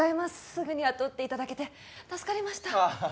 すぐに雇っていただけて助かりましたああ